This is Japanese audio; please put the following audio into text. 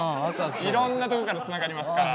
いろんなとこからつながりますから。